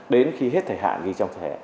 đến khi hết thẻ hạ ghi trong thẻ